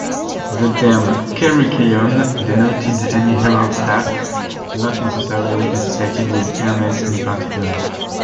The term "kerukeion" denoted any herald's staff, not necessarily associated with Hermes in particular.